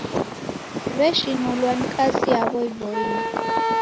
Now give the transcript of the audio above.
W'eshinulwa ni kazi yaw'o iboie.